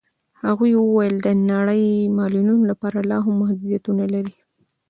هغې وویل نړۍ د معلولینو لپاره لاهم محدودیتونه لري.